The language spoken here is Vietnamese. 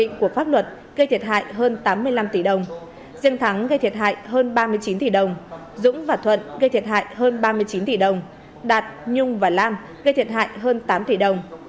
tài sản của pháp luật gây thiệt hại hơn tám mươi năm tỷ đồng riêng thắng gây thiệt hại hơn ba mươi chín tỷ đồng dũng và thuận gây thiệt hại hơn ba mươi chín tỷ đồng đạt nhung và lam gây thiệt hại hơn tám tỷ đồng